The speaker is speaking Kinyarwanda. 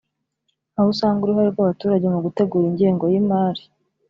aho usanga uruhare rw’abaturage mu gutegura ingengo y’imari